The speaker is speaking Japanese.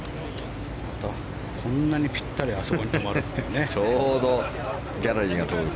こんなにぴったりあそこに止まるっていうね。